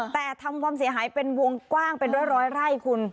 แต่ทำความเสียหายเป็นวงกว้างเป็นร้อยไร่คุณ